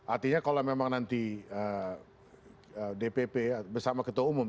artinya kalau memang nanti dpp bersama ketua umum